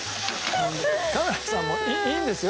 カメラさんもいいんですよ